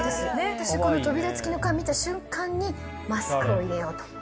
私、この扉付きの缶、見た瞬間に、マスクを入れようと。